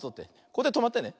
これでとまってね。